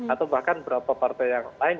atau bahkan beberapa partai yang lain